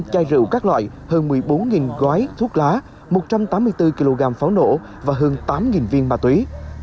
năm năm trăm linh chai rượu các loại hơn một mươi bốn gói thuốc lá một trăm tám mươi bốn kg pháo nổ và hơn tám viên ma túy